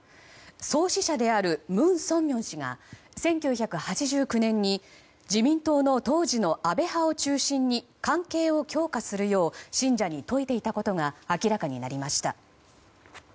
創始者である文鮮明氏が１９８９年に自民党の当時の安倍派を中心に関係を強化するよう信者に説いていたことが明らかになりました。